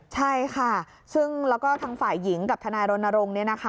ใช่ค่ะซึ่งแล้วก็ทางฝ่ายหญิงกับทนายรณรงค์